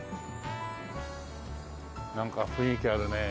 なんか雰囲気あるね。